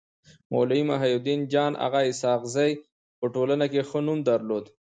مولوي محي الدين جان اغا اسحق زي په ټولنه کي ښه نوم درلود.